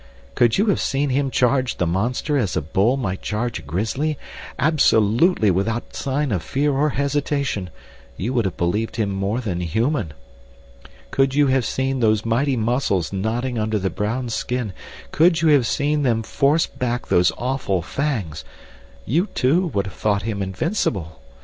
"Could you have seen him charge the monster as a bull might charge a grizzly—absolutely without sign of fear or hesitation—you would have believed him more than human. "Could you have seen those mighty muscles knotting under the brown skin—could you have seen them force back those awful fangs—you too would have thought him invincible.